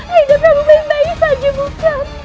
hidup yang memindahkan syaikh guru